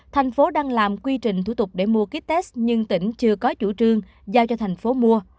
thành phố đang làm quy trình thủ tục để mua kích tết nhưng tỉnh chưa có chủ trương giao cho thành phố mua